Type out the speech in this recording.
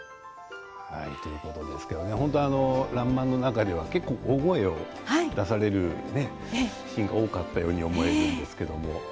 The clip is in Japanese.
「らんまん」の中では結構大声を出されるシーンが多かったと思えるんですけど。